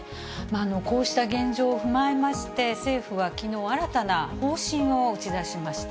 こうした現状を踏まえまして、政府はきのう、新たな方針を打ち出しました。